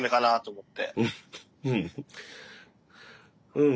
うん。